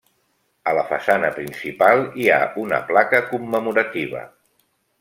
A la façana principal hi ha una placa commemorativa.